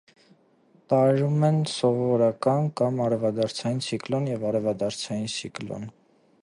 Տարրերում են սովորական կամ արտարևադարձային ցիկլոն և արևադարձային ցիկլոն։